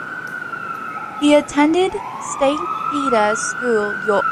He attended Saint Peter's School, York.